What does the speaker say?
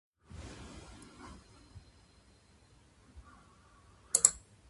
かなりの大きさの盲腸だねぇ